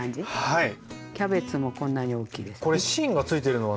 はい。